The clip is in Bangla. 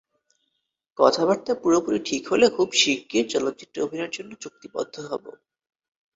কথাবার্তা পুরোপুরি ঠিক হলে খুব শিগগির চলচ্চিত্রে অভিনয়ের জন্য চুক্তিবদ্ধ হব।